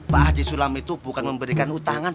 pak haji sulam itu bukan memberikan utangan